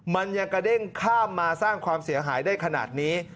มันยังกระเด้งข้ามมาสร้างความเสียหายได้ขนาดนี้